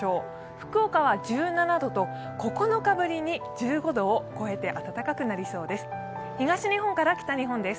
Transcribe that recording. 福岡は１７度と９日ぶりに１５度を超えて暖かくなりそうです。